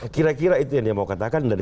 kira kira itu yang dia mau katakan dari